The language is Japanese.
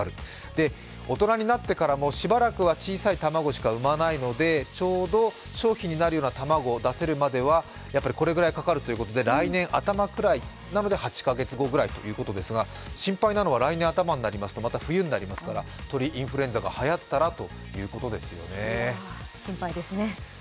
で、大人になってからもしばらくは小さい卵しか産まないのでちょうど商品になるような卵を出せるまでにはこれぐらいかかるということで、来年頭ぐらいなので８か月後ぐらいということですが、心配なのは来年頭になるとまた冬になりますから鳥インフルエンザがはやったらということですよね。